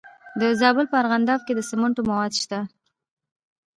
د زابل په ارغنداب کې د سمنټو مواد شته.